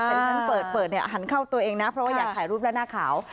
แต่ที่ฉันเปิดเนี่ยหันเข้าตัวเองนะเพราะว่าอยากถ่ายรูปแล้วหน้าขาว